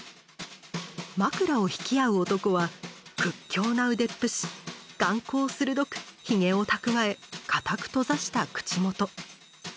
枕を引き合う男は屈強な腕っぷし眼光鋭くひげを蓄え固く閉ざした口元。